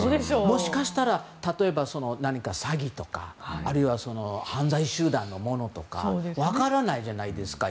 もしかしたら例えば、何か詐欺とかあるいは犯罪集団のものとか分からないじゃないですか。